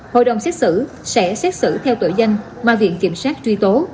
hội đồng xét xử sẽ xét xử theo tội danh mà viện kiểm sát truy tố